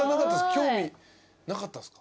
興味なかったんですか？